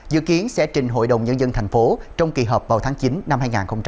dự kiến sẽ trình hội đồng nhân dân tp hcm trong kỳ hợp vào tháng chín năm hai nghìn hai mươi ba